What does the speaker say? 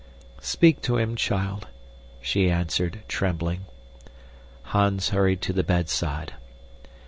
"Speak to him, child," she answered, trembling. Hans hurried to the bedside.